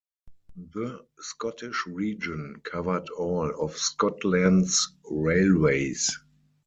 The Scottish Region covered all of Scotland's railways.